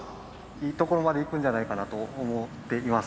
いいところまでいくんじゃないかなと思っています。